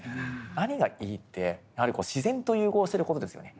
何がいいってやはり自然と融合してる事ですよね。